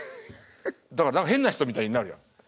だから何か変な人みたいになるやん。